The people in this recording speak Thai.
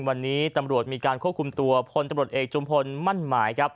วันนี้ตำรวจมีการควบคุมตัวพลตำรวจเอกจุมพลมั่นหมายครับ